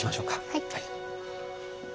はい。